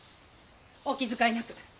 お気遣いなく。